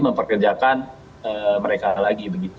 memperkerjakan mereka lagi